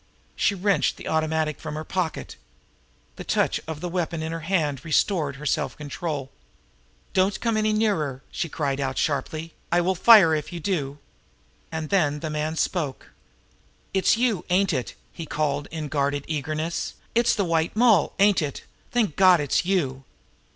She wrenched her automatic from her pocket. The touch of the weapon in her hand restored her self control. "Don't come any nearer!" she cried out sharply. "I will fire if you do!" And then the man spoke. "It's you, ain't it?" he called in guarded eagerness. "It's the White Moll, ain't it? Thank God, it's you!"